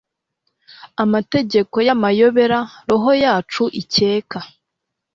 Amategeko y'amayobera roho yacu ikeka